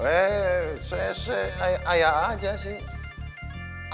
eh saya aja sih